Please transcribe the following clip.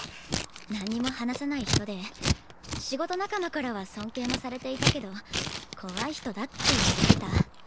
なんにも話さない人で仕事仲間からは尊敬もされていたけど怖い人だって言われてた。